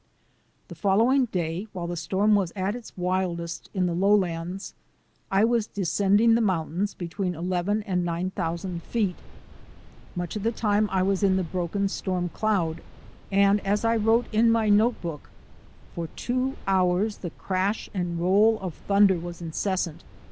The following day, while the storm was at its wildest in the lowlands, I was descending the mountains between eleven and nine thousand feet. Much of the time I was in the broken storm cloud, and, as I wrote in my notebook, "For two hours the crash and roll of thunder was incessant.